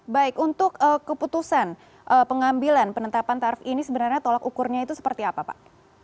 baik untuk keputusan pengambilan penetapan tarif ini sebenarnya tolak ukurnya itu seperti apa pak